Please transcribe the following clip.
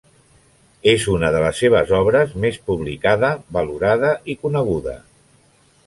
És una de les seves obres més publicada, valorada i coneguda.